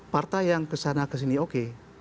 partai yang kesana kesini oke